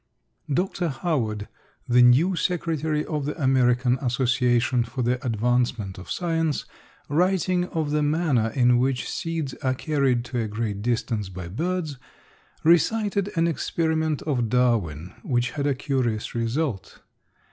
Dr. Howard, the new secretary of the American Association for the Advancement of Science, writing of the manner in which seeds are carried to a great distance by birds, recited an experiment of Darwin, which had a curious result.